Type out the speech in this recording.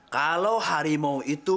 kalau harimau itu